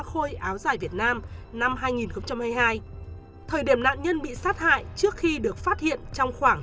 khôi áo dài việt nam năm hai nghìn hai mươi hai thời điểm nạn nhân bị sát hại trước khi được phát hiện trong khoảng